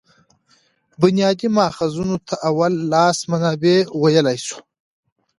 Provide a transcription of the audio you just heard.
بنیادي ماخذونو ته اول لاس منابع ویلای سو.